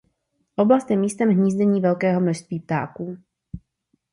Oblast je místem hnízdění velkého množství ptáků.